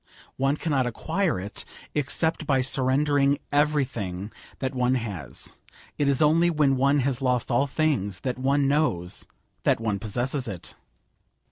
One cannot acquire it, except by surrendering everything that one has. It is only when one has lost all things, that one knows that one possesses it.